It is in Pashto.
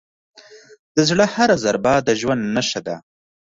د زړه هره ضربه د ژوند نښه ده.